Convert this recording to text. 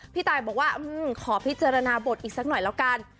ตายบอกว่าขอพิจารณาบทอีกสักหน่อยแล้วกัน